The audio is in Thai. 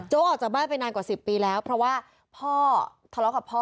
ออกจากบ้านไปนานกว่า๑๐ปีแล้วเพราะว่าพ่อทะเลาะกับพ่อ